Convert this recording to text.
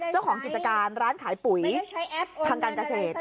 เจ้าของกิจการร้านขายปุ๋ยทางการเกษตร